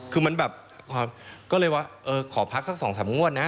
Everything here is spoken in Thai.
คือมันแบบก็เลยว่าเออขอพักสัก๒๓งวดนะ